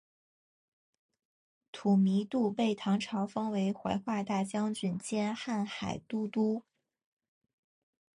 吐迷度被唐朝封为怀化大将军兼瀚海都督。